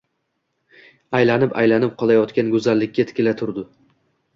Aylanib-aylanib qulayotgan go’zallikka tikila turdi